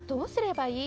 どうすればいい？